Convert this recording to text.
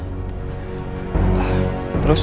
tidak memungkinkan untuk menjalani operasi